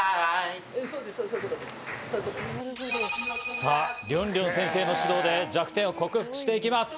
さぁ、りょんりょん先生の指導で弱点を克服していきます。